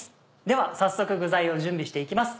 では早速具材を準備して行きます